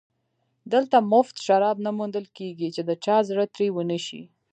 دلته مفت شراب نه موندل کېږي چې د چا زړه ترې ونشي